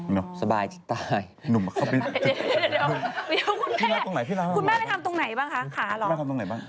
ไม่ทำตรงไหนบ้างคะขาหรอ